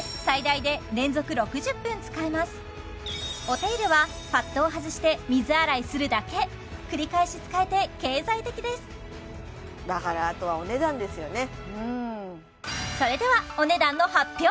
お手入れはパッドを外して水洗いするだけ繰り返し使えて経済的ですだからあとはお値段ですよね